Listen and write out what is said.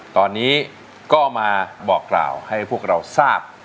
ตอนนี้ก็มาบอกกล่าวให้พวกเราทราบ